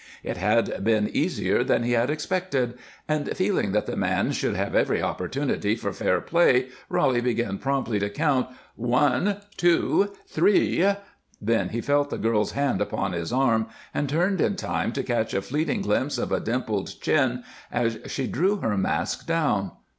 It had been much easier than he had expected, and feeling that the man should have every opportunity for fair play Roly began promptly to count, "One, two, three " Then he felt the girl's hand upon his arm, and turned in time to catch a fleeting glimpse of a dimpled chin as she drew her mask down.